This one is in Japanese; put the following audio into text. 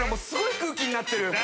すごい空気になってる。